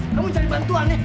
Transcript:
kamu cari bantuan ya